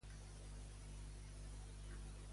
Quin aristòcrata li va concedir Wildenberg?